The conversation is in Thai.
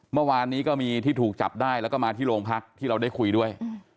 เมื่อวานนี้ก็มีที่ถูกจับได้แล้วก็มาที่โรงพักที่เราได้คุยด้วย